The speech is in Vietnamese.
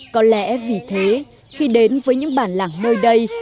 có lẽ vì thế khi đến với những bản làng nơi đây